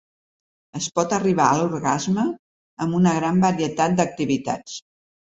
Es pot arribar a l'orgasme amb una gran varietat d'activitats.